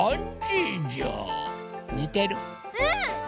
うん！